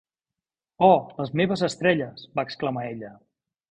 "Oh, les meves estrelles!", va exclamar ella.